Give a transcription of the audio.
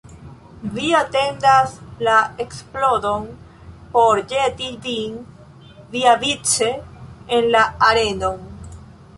Vi atendas la eksplodon por ĵeti vin viavice en la arenon.